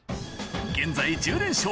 現在１０連勝！